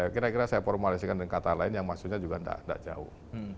kira kira saya formalisikan dengan kata lain yang maksudnya juga tidak jauh